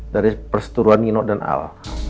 dari perseturuan nino dan al